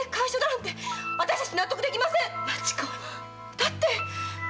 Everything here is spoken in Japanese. だって。